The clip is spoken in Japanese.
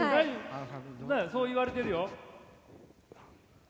そう言われてるよ。